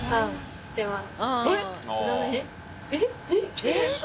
知ってます。